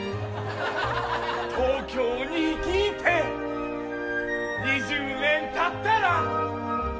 「東京に来て２０年たったら」